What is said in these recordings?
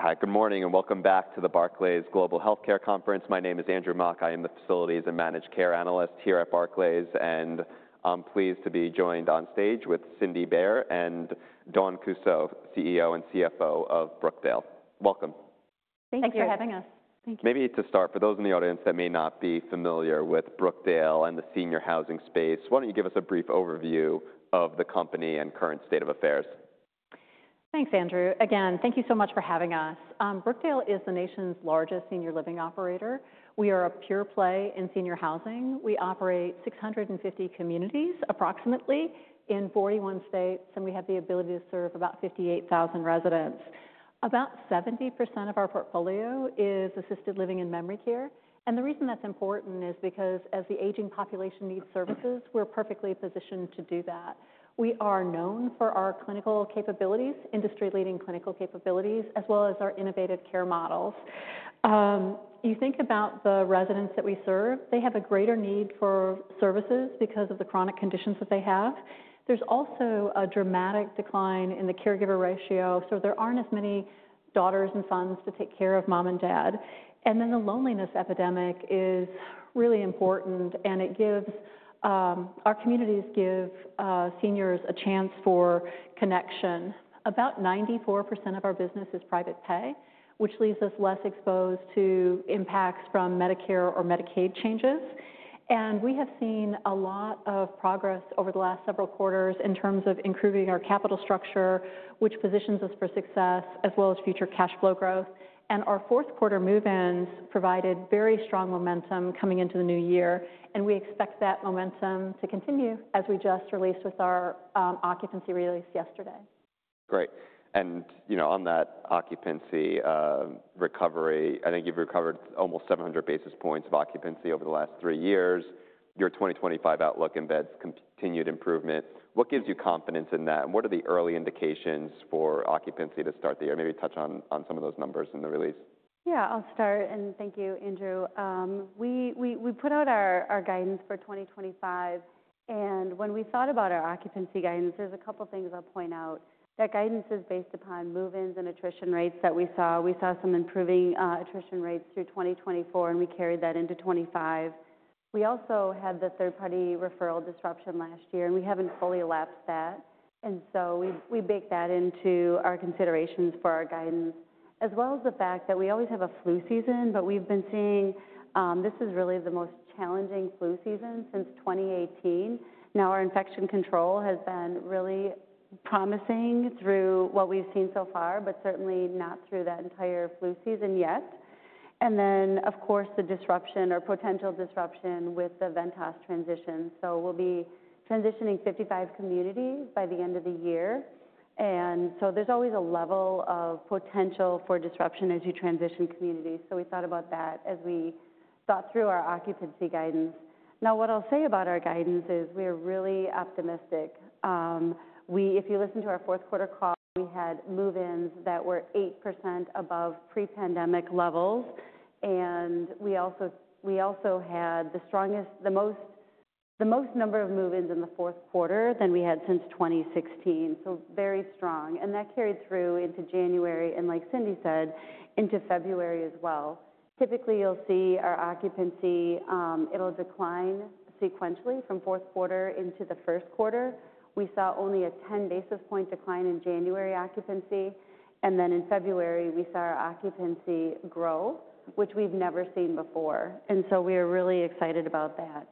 Hi, good morning, and welcome back to the Barclays Global Healthcare Conference. My name is Andrew Mok. I am the Facilities and Managed Care Analyst here at Barclays, and I'm pleased to be joined on stage with Cindy Baier and Dawn Kussow, CEO and CFO of Brookdale. Welcome. Thank you for having us. Thank you. Maybe to start, for those in the audience that may not be familiar with Brookdale and the senior housing space, why don't you give us a brief overview of the company and current state of affairs? Thanks, Andrew. Again, thank you so much for having us. Brookdale is the nation's largest senior living operator. We are a pure play in senior housing. We operate 650 communities, approximately, in 41 states, and we have the ability to serve about 58,000 residents. About 70% of our portfolio is assisted living and memory care. The reason that's important is because, as the aging population needs services, we're perfectly positioned to do that. We are known for our clinical capabilities, industry-leading clinical capabilities, as well as our innovative care models. You think about the residents that we serve. They have a greater need for services because of the chronic conditions that they have. There's also a dramatic decline in the caregiver ratio, so there aren't as many daughters and sons to take care of mom and dad. The loneliness epidemic is really important, and it gives our communities give seniors a chance for connection. About 94% of our business is private pay, which leaves us less exposed to impacts from Medicare or Medicaid changes. We have seen a lot of progress over the last several quarters in terms of improving our capital structure, which positions us for success, as well as future cash flow growth. Our fourth quarter move-ins provided very strong momentum coming into the new year, and we expect that momentum to continue as we just released with our occupancy release yesterday. Great. And, you know, on that occupancy recovery, I think you've recovered almost 700 basis points of occupancy over the last three years. Your 2025 outlook embeds continued improvement. What gives you confidence in that? And what are the early indications for occupancy to start the year? Maybe touch on some of those numbers in the release. Yeah, I'll start, and thank you, Andrew. We put out our guidance for 2025, and when we thought about our occupancy guidance, there's a couple of things I'll point out. That guidance is based upon move-ins and attrition rates that we saw. We saw some improving attrition rates through 2024, and we carried that into 2025. We also had the third-party referral disruption last year, and we haven't fully lapsed that. We baked that into our considerations for our guidance, as well as the fact that we always have a flu season, but we've been seeing this is really the most challenging flu season since 2018. Now, our infection control has been really promising through what we've seen so far, but certainly not through that entire flu season yet. Of course, the disruption or potential disruption with the Ventas transition. We will be transitioning 55 communities by the end of the year. There is always a level of potential for disruption as you transition communities. We thought about that as we thought through our occupancy guidance. What I'll say about our guidance is we are really optimistic. If you listen to our fourth quarter call, we had move-ins that were 8% above pre-pandemic levels. We also had the strongest, the most number of move-ins in the fourth quarter than we had since 2016. Very strong. That carried through into January, and like Cindy said, into February as well. Typically, you'll see our occupancy decline sequentially from fourth quarter into the first quarter. We saw only a 10 basis point decline in January occupancy. In February, we saw our occupancy grow, which we've never seen before. We are really excited about that.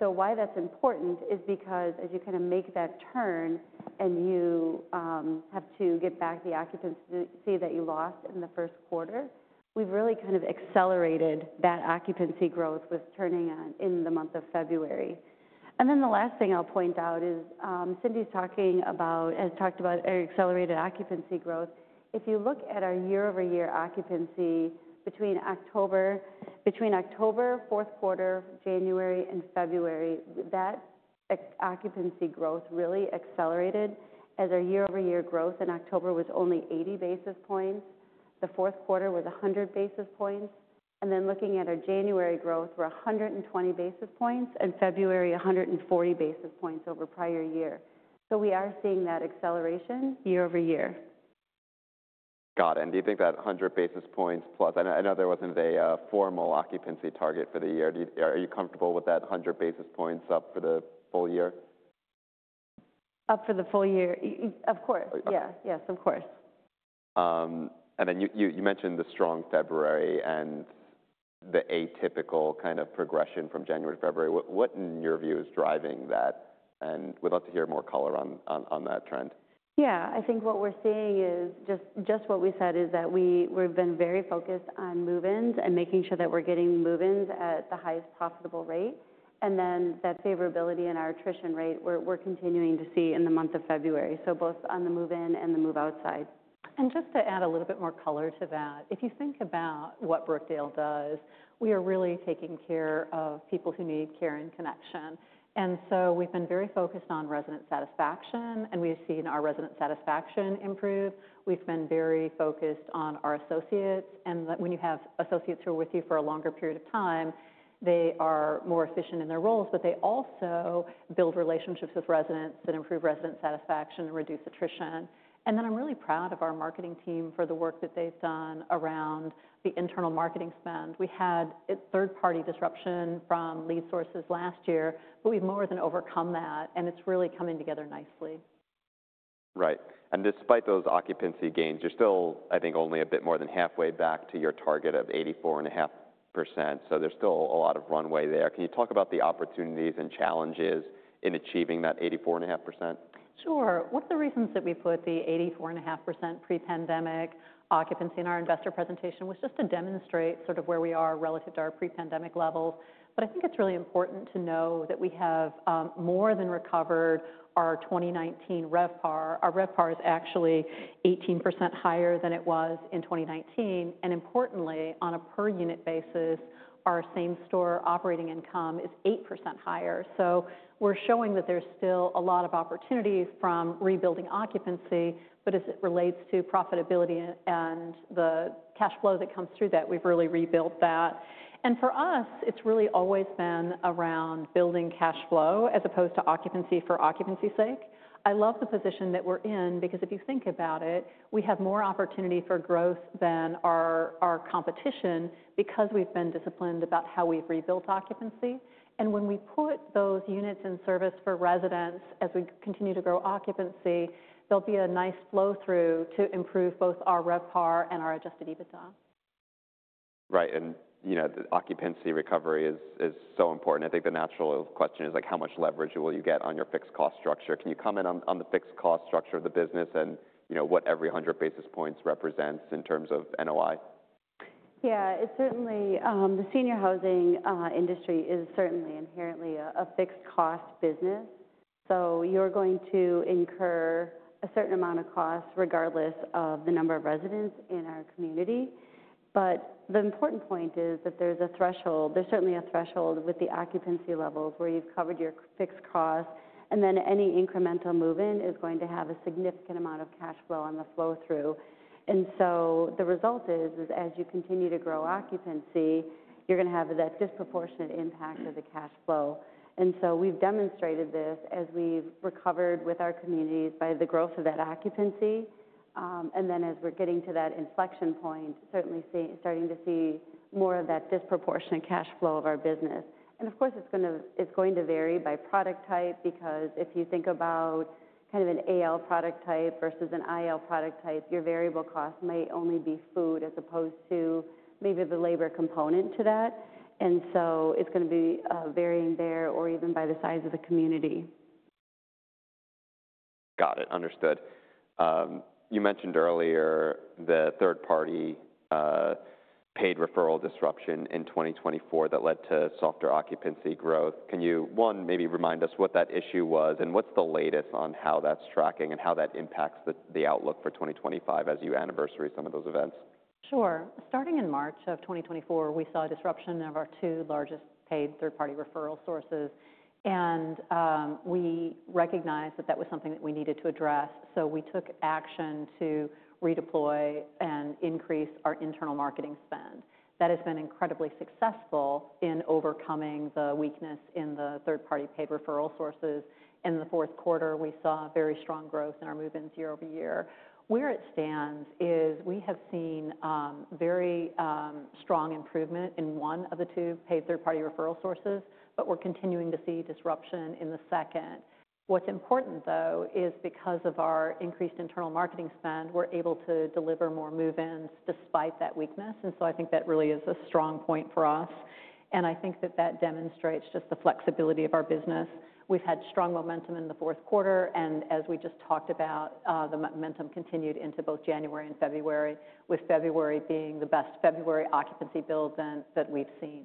Why that's important is because, as you kind of make that turn and you have to give back the occupancy that you lost in the first quarter, we've really kind of accelerated that occupancy growth with turning in the month of February. The last thing I'll point out is Cindy's talking about, has talked about accelerated occupancy growth. If you look at our year-over-year occupancy between October, fourth quarter, January, and February, that occupancy growth really accelerated, as our year-over-year growth in October was only 80 basis points. The fourth quarter was 100 basis points. Looking at our January growth, we are 120 basis points, and February 140 basis points over prior year. We are seeing that acceleration year-over-year. Got it. Do you think that 100 basis points plus, I know there was not a formal occupancy target for the year, are you comfortable with that 100 basis points up for the full year? Up for the full year, of course. Yes, of course. You mentioned the strong February and the atypical kind of progression from January to February. What, in your view, is driving that? We'd love to hear more color on that trend. Yeah, I think what we're seeing is just what we said, is that we've been very focused on move-ins and making sure that we're getting move-ins at the highest possible rate. That favorability in our attrition rate, we're continuing to see in the month of February. Both on the move-in and the move-out side. To add a little bit more color to that, if you think about what Brookdale does, we are really taking care of people who need care and connection. We have been very focused on resident satisfaction, and we have seen our resident satisfaction improve. We have been very focused on our associates, and when you have associates who are with you for a longer period of time, they are more efficient in their roles, but they also build relationships with residents that improve resident satisfaction and reduce attrition. I am really proud of our marketing team for the work that they have done around the internal marketing spend. We had third-party disruption from lead sources last year, but we have more than overcome that, and it is really coming together nicely. Right. Despite those occupancy gains, you're still, I think, only a bit more than halfway back to your target of 84.5%. There is still a lot of runway there. Can you talk about the opportunities and challenges in achieving that 84.5%? Sure. One of the reasons that we put the 84.5% pre-pandemic occupancy in our investor presentation was just to demonstrate sort of where we are relative to our pre-pandemic levels. I think it's really important to know that we have more than recovered our 2019 RevPAR. Our RevPAR is actually 18% higher than it was in 2019. Importantly, on a per-unit basis, our same-store operating income is 8% higher. We're showing that there's still a lot of opportunities from rebuilding occupancy, but as it relates to profitability and the cash flow that comes through that, we've really rebuilt that. For us, it's really always been around building cash flow as opposed to occupancy for occupancy's sake. I love the position that we're in because if you think about it, we have more opportunity for growth than our competition because we've been disciplined about how we've rebuilt occupancy. When we put those units in service for residents, as we continue to grow occupancy, there'll be a nice flow-through to improve both our RevPAR and our adjusted EBITDA. Right. You know, the occupancy recovery is so important. I think the natural question is, like, how much leverage will you get on your fixed cost structure? Can you comment on the fixed cost structure of the business and, you know, what every 100 basis points represents in terms of NOI? Yeah, it certainly, the senior housing industry is certainly inherently a fixed cost business. You are going to incur a certain amount of cost regardless of the number of residents in our community. The important point is that there is a threshold, there is certainly a threshold with the occupancy levels where you have covered your fixed cost, and then any incremental move-in is going to have a significant amount of cash flow on the flow-through. The result is, as you continue to grow occupancy, you are going to have that disproportionate impact of the cash flow. We have demonstrated this as we have recovered with our communities by the growth of that occupancy. As we are getting to that inflection point, certainly starting to see more of that disproportionate cash flow of our business. Of course, it's going to vary by product type because if you think about kind of an AL product type versus an IL product type, your variable cost may only be food as opposed to maybe the labor component to that. It is going to be varying there or even by the size of the community. Got it. Understood. You mentioned earlier the third-party paid referral disruption in 2024 that led to softer occupancy growth. Can you, one, maybe remind us what that issue was and what's the latest on how that's tracking and how that impacts the outlook for 2025 as you anniversary some of those events? Sure. Starting in March of 2024, we saw disruption of our two largest paid third-party referral sources. We recognized that that was something that we needed to address. We took action to redeploy and increase our internal marketing spend. That has been incredibly successful in overcoming the weakness in the third-party paid referral sources. In the fourth quarter, we saw very strong growth in our move-ins year-over-year. Where it stands is we have seen very strong improvement in one of the two paid third-party referral sources, but we're continuing to see disruption in the second. What's important, though, is because of our increased internal marketing spend, we're able to deliver more move-ins despite that weakness. I think that really is a strong point for us. I think that that demonstrates just the flexibility of our business. We've had strong momentum in the fourth quarter, and as we just talked about, the momentum continued into both January and February, with February being the best February occupancy build-in that we've seen.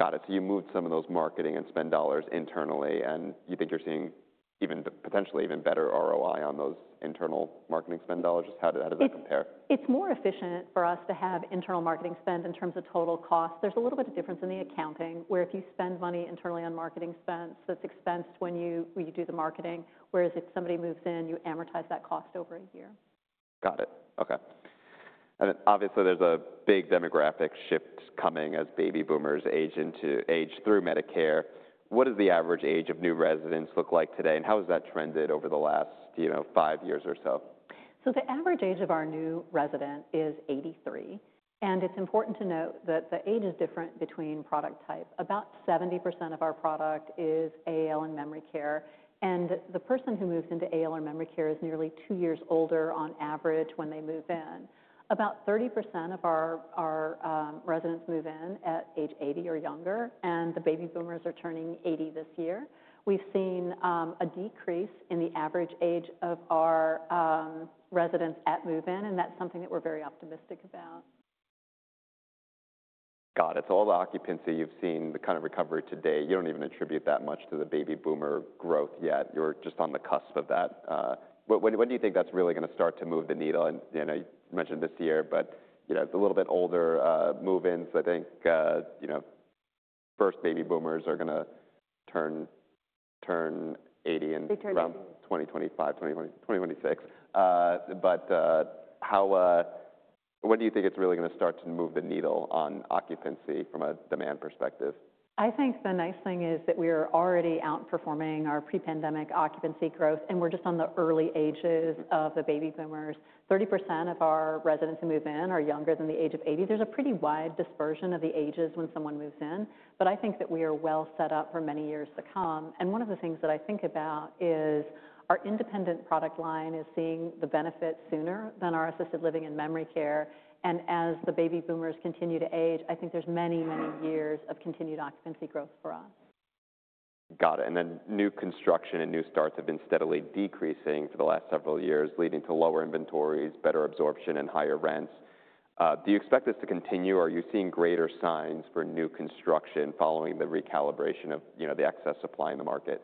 Got it. You moved some of those marketing and spend dollars internally, and you think you're seeing even potentially even better ROI on those internal marketing spend dollars. How does that compare? It's more efficient for us to have internal marketing spend in terms of total cost. There's a little bit of difference in the accounting, where if you spend money internally on marketing spend, that's expensed when you do the marketing, whereas if somebody moves in, you amortize that cost over a year. Got it. Okay. Obviously, there's a big demographic shift coming as baby boomers age through Medicare. What does the average age of new residents look like today, and how has that trended over the last five years or so? The average age of our new resident is 83. It is important to note that the age is different between product type. About 70% of our product is AL and memory care. The person who moves into AL or memory care is nearly two years older on average when they move in. About 30% of our residents move in at age 80 or younger, and the baby boomers are turning 80 this year. We have seen a decrease in the average age of our residents at move-in, and that is something that we are very optimistic about. Got it. All the occupancy you've seen, the kind of recovery today, you don't even attribute that much to the baby boomer growth yet. You're just on the cusp of that. When do you think that's really going to start to move the needle? You mentioned this year, but a little bit older move-ins, I think first baby boomers are going to turn 80 around 2025, 2026. How, what do you think is really going to start to move the needle on occupancy from a demand perspective? I think the nice thing is that we are already outperforming our pre-pandemic occupancy growth, and we're just on the early ages of the baby boomers. 30% of our residents who move in are younger than the age of 80. There's a pretty wide dispersion of the ages when someone moves in. I think that we are well set up for many years to come. One of the things that I think about is our independent product line is seeing the benefit sooner than our assisted living and memory care. As the baby boomers continue to age, I think there's many, many years of continued occupancy growth for us. Got it. New construction and new starts have been steadily decreasing for the last several years, leading to lower inventories, better absorption, and higher rents. Do you expect this to continue, or are you seeing greater signs for new construction following the recalibration of the excess supply in the market?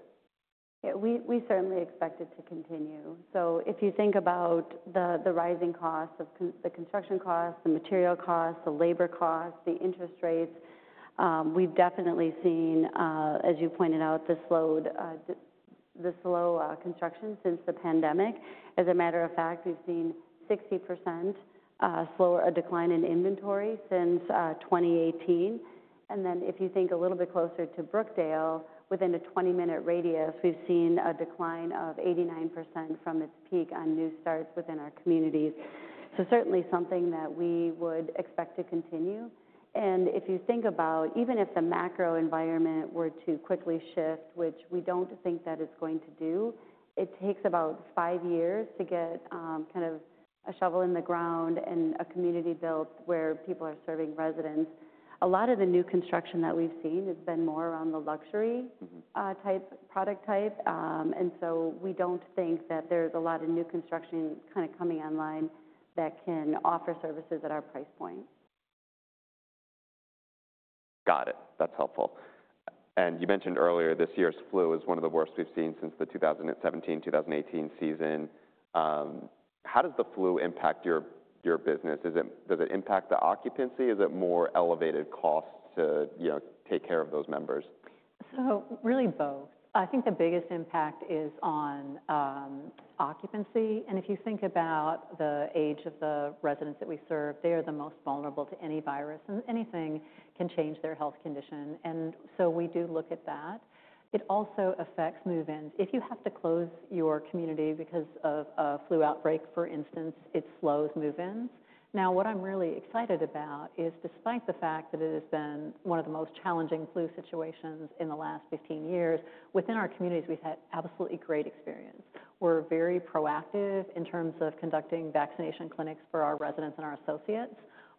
We certainly expect it to continue. If you think about the rising costs of the construction costs, the material costs, the labor costs, the interest rates, we've definitely seen, as you pointed out, the slow construction since the pandemic. As a matter of fact, we've seen 60% slower, a decline in inventory since 2018. If you think a little bit closer to Brookdale, within a 20-minute radius, we've seen a decline of 89% from its peak on new starts within our communities. Certainly something that we would expect to continue. If you think about, even if the macro environment were to quickly shift, which we don't think that it's going to do, it takes about five years to get kind of a shovel in the ground and a community built where people are serving residents. A lot of the new construction that we've seen has been more around the luxury type product type. We don't think that there's a lot of new construction kind of coming online that can offer services at our price point. Got it. That's helpful. You mentioned earlier this year's flu is one of the worst we've seen since the 2017-2018 season. How does the flu impact your business? Does it impact the occupancy? Is it more elevated costs to take care of those members? Really both. I think the biggest impact is on occupancy. If you think about the age of the residents that we serve, they are the most vulnerable to any virus, and anything can change their health condition. We do look at that. It also affects move-ins. If you have to close your community because of a flu outbreak, for instance, it slows move-ins. What I'm really excited about is, despite the fact that it has been one of the most challenging flu situations in the last 15 years, within our communities, we've had absolutely great experience. We're very proactive in terms of conducting vaccination clinics for our residents and our associates.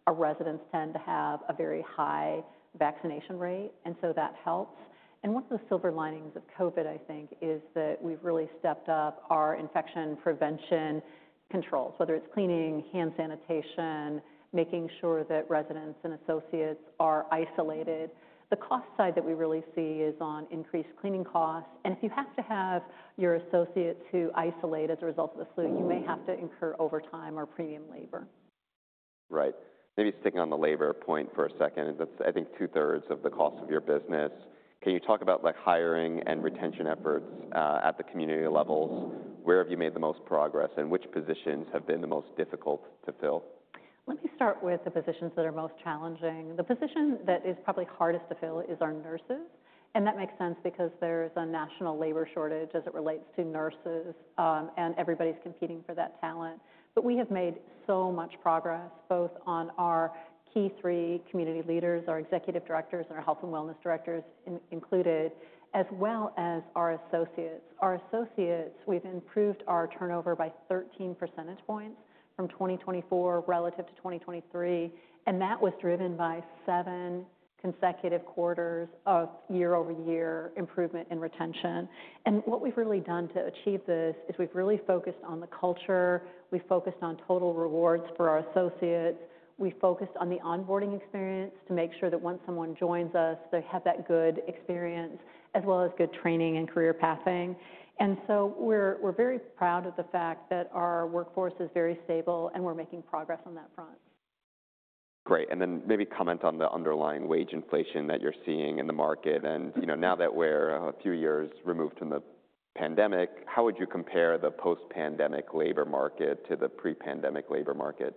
Our residents tend to have a very high vaccination rate, and that helps. One of the silver linings of COVID, I think, is that we've really stepped up our infection prevention controls, whether it's cleaning, hand sanitation, making sure that residents and associates are isolated. The cost side that we really see is on increased cleaning costs. If you have to have your associates who isolate as a result of the flu, you may have to incur overtime or premium labor. Right. Maybe sticking on the labor point for a second, that's, I think, two-thirds of the cost of your business. Can you talk about hiring and retention efforts at the community levels? Where have you made the most progress, and which positions have been the most difficult to fill? Let me start with the positions that are most challenging. The position that is probably hardest to fill is our nurses. That makes sense because there is a national labor shortage as it relates to nurses, and everybody's competing for that talent. We have made so much progress, both on our key three community leaders, our Executive Directors, and our Health and Wellness Directors included, as well as our associates. Our associates, we have improved our turnover by 13 percentage points from 2024 relative to 2023. That was driven by seven consecutive quarters of year-over-year improvement in retention. What we have really done to achieve this is we have really focused on the culture. We have focused on total rewards for our associates. We have focused on the onboarding experience to make sure that once someone joins us, they have that good experience, as well as good training and career pathing. We are very proud of the fact that our workforce is very stable, and we are making progress on that front. Great. Maybe comment on the underlying wage inflation that you're seeing in the market. Now that we're a few years removed from the pandemic, how would you compare the post-pandemic labor market to the pre-pandemic labor market?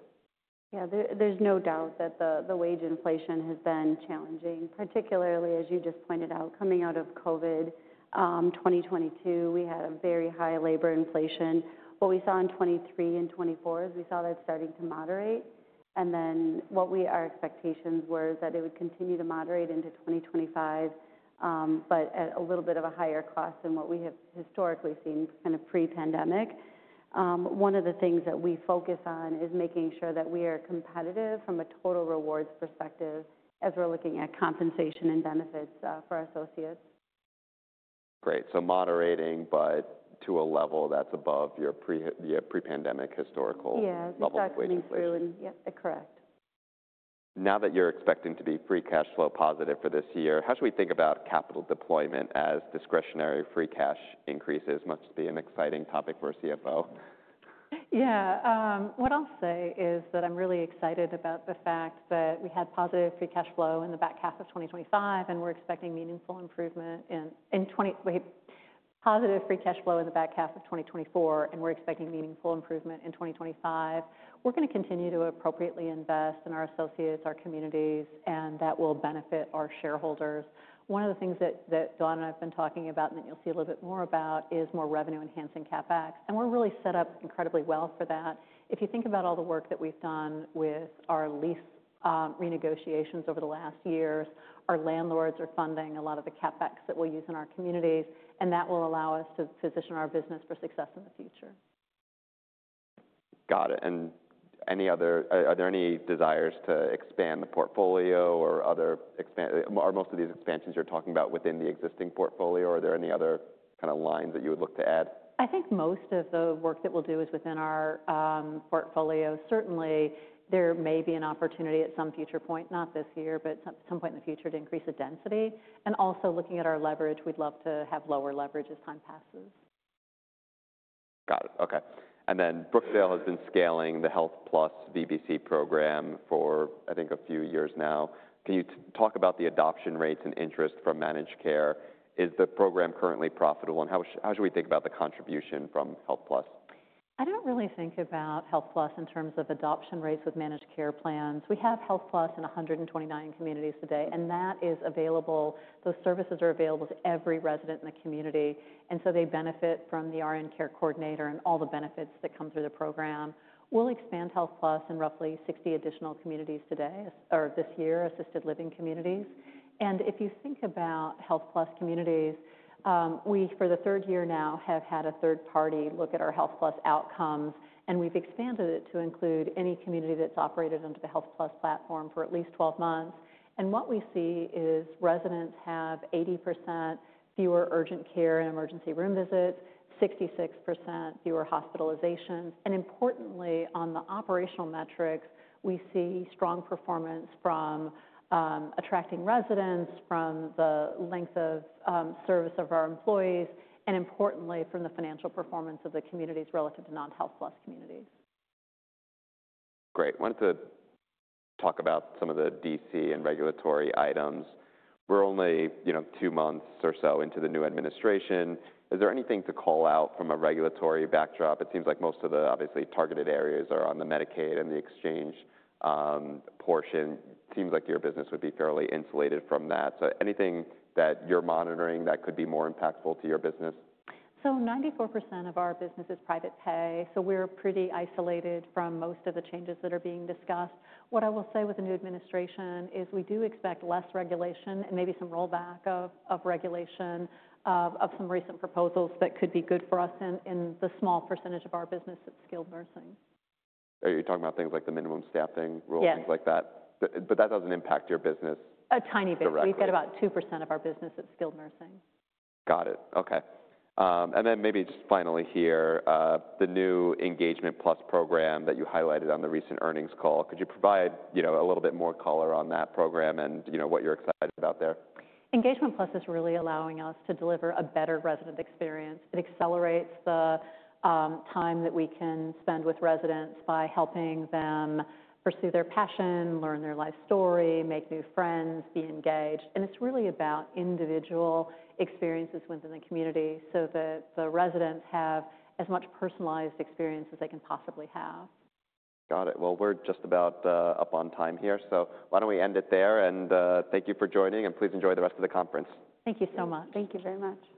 Yeah, there's no doubt that the wage inflation has been challenging, particularly, as you just pointed out, coming out of COVID. 2022, we had a very high labor inflation. What we saw in 2023 and 2024 is we saw that starting to moderate. What our expectations were is that it would continue to moderate into 2025, but at a little bit of a higher cost than what we have historically seen kind of pre-pandemic. One of the things that we focus on is making sure that we are competitive from a total rewards perspective as we're looking at compensation and benefits for our associates. Great. Moderating, but to a level that's above your pre-pandemic historical level of wage inflation. Yeah, exactly. Yep, correct. Now that you're expecting to be free cash flow positive for this year, how should we think about capital deployment as discretionary free cash increases? Must be an exciting topic for a CFO. Yeah. What I'll say is that I'm really excited about the fact that we had positive free cash flow in the back half of 2025, and we're expecting meaningful improvement in positive free cash flow in the back half of 2024, and we're expecting meaningful improvement in 2025. We're going to continue to appropriately invest in our associates, our communities, and that will benefit our shareholders. One of the things that Dawn and I have been talking about, and that you'll see a little bit more about, is more revenue-enhancing CapEx. We're really set up incredibly well for that. If you think about all the work that we've done with our lease renegotiations over the last years, our landlords are funding a lot of the CapEx that we'll use in our communities, and that will allow us to position our business for success in the future. Got it. Are there any desires to expand the portfolio or other expand? Are most of these expansions you're talking about within the existing portfolio, or are there any other kind of lines that you would look to add? I think most of the work that we'll do is within our portfolio. Certainly, there may be an opportunity at some future point, not this year, but at some point in the future to increase the density. Also, looking at our leverage, we'd love to have lower leverage as time passes. Got it. Okay. Brookdale has been scaling the HealthPlus VBC program for, I think, a few years now. Can you talk about the adoption rates and interest from managed care? Is the program currently profitable, and how should we think about the contribution from HealthPlus? I don't really think about HealthPlus in terms of adoption rates with managed care plans. We have HealthPlus in 129 communities today, and that is available. Those services are available to every resident in the community, and so they benefit from the RN care coordinator and all the benefits that come through the program. We'll expand HealthPlus in roughly 60 additional communities today or this year, assisted living communities. If you think about HealthPlus communities, we for the third year now have had a third party look at our HealthPlus outcomes, and we've expanded it to include any community that's operated under the HealthPlus platform for at least 12 months. What we see is residents have 80% fewer urgent care and emergency room visits, 66% fewer hospitalizations. Importantly, on the operational metrics, we see strong performance from attracting residents, from the length of service of our employees, and importantly, from the financial performance of the communities relative to non-HealthPlus communities. Great. I wanted to talk about some of the DC and regulatory items. We're only two months or so into the new administration. Is there anything to call out from a regulatory backdrop? It seems like most of the obviously targeted areas are on the Medicaid and the exchange portion. It seems like your business would be fairly insulated from that. Anything that you're monitoring that could be more impactful to your business? 94% percent of our business is private pay, so we're pretty isolated from most of the changes that are being discussed. What I will say with the new administration is we do expect less regulation and maybe some rollback of regulation of some recent proposals that could be good for us in the small percentage of our business at skilled nursing. Are you talking about things like the minimum staffing rule, things like that? Yeah. That does not impact your business directly. A tiny bit. We've got about 2% of our business at skilled nursing. Got it. Okay. Maybe just finally here, the new EngagementPlus program that you highlighted on the recent earnings call, could you provide a little bit more color on that program and what you're excited about there? EngagementPlus is really allowing us to deliver a better resident experience. It accelerates the time that we can spend with residents by helping them pursue their passion, learn their life story, make new friends, be engaged. It is really about individual experiences within the community so that the residents have as much personalized experience as they can possibly have. Got it. We are just about up on time here, so why do we not end it there? Thank you for joining, and please enjoy the rest of the conference. Thank you so much. Thank you very much.